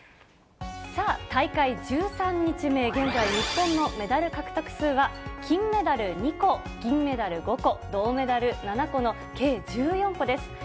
さあ、大会１３日目、現在日本のメダル獲得数は金メダル２個、銀メダル５個、銅メダル７個の計１４個です。